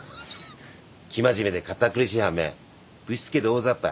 生真面目で堅苦しい半面ぶしつけで大ざっぱ。